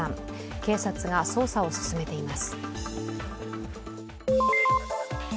警察が捜査を進めています。